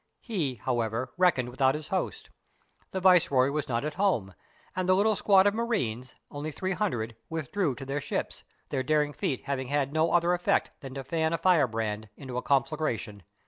He, how ever, reckoned without his host ; the viceroy was not at home; and the little squad of marines, only three hun dred, withdrew to their ships, their daring feat having had no other effect than to fan a firebrand into a con flagration.